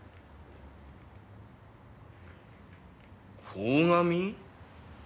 鴻上！？